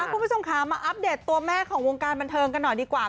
คุณผู้ชมค่ะมาอัปเดตตัวแม่ของวงการบันเทิงกันหน่อยดีกว่า